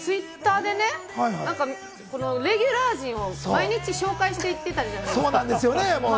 ツイッターでね、レギュラー陣を毎日紹介していってたじゃないですか。